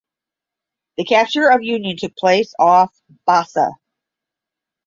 The capture of "Union" took place off Bassa.